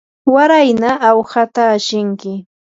warayna awhata ashinki.